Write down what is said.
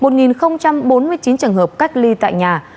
một bốn mươi chín trường hợp cách ly tại nhà